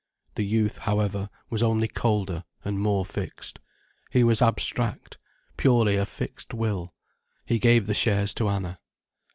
The youth, however, was only colder and more fixed. He was abstract, purely a fixed will. He gave the shares to Anna.